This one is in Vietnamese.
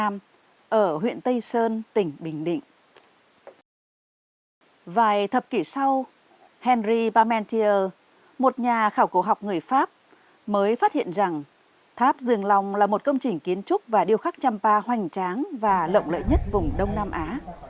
một kỷ sau henry barmentier một nhà khảo cổ học người pháp mới phát hiện rằng tháp dương long là một công trình kiến trúc và điều khắc trăm ba hoành tráng và lộng lợi nhất vùng đông nam á